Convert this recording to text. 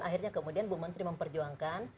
akhirnya kemudian bu menteri memperjuangkan